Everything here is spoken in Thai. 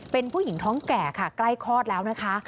เป็นผู้หญิงท้องแก่ค่ะใกล้คลอดแล้วนะคะ